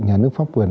nhà nước pháp quyền